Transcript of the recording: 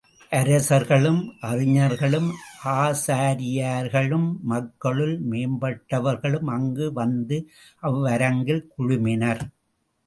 அரசர்களும், அறிஞர்களும், ஆசாரியர்களும், மக்களுள் மேம்பட்டவர்களும் அங்கு வந்து அவ்வரங்கில் குழுமினர்.